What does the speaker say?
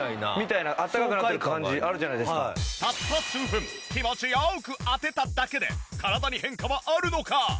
たった数分気持ちよく当てただけで体に変化はあるのか！？